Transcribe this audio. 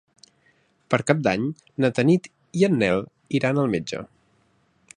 Per Cap d'Any na Tanit i en Nel iran al metge.